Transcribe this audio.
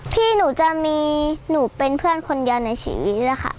พี่หนูจะมีหนูเป็นเพื่อนคนเดียวในชีวิตนะคะ